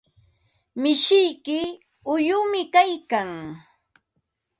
Mishiyki uyumi kaykan.